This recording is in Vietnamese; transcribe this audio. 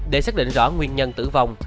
để xác định rõ nguyên nhân tử vong